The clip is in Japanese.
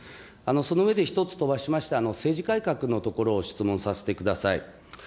その上で、１つ飛ばしまして、政治改革のところを質問させてください。